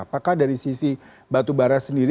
apakah dari sisi batu bara sendiri